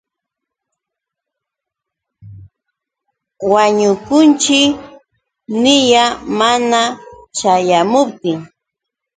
Wañukunćhi niyaa. Mana ćhaamuptin.